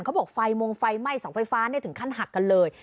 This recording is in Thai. เขาบอกว่าไฟมองไฟไหม้ส่องไฟฟ้าถึงขั้นหักเลย